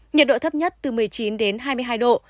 nhiệt độ thấp nhất từ một mươi chín đến hai mươi hai độ